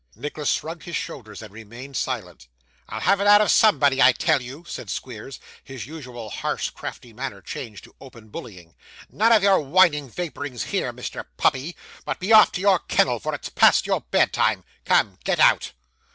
Nicholas shrugged his shoulders and remained silent. 'I'll have it out of somebody, I tell you,' said Squeers, his usual harsh crafty manner changed to open bullying 'None of your whining vapourings here, Mr. Puppy, but be off to your kennel, for it's past your bedtime! Come! Get out!